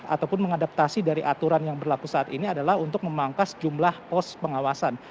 ataupun mengadaptasi dari aturan yang berlaku saat ini adalah untuk memangkas jumlah pos pengawasan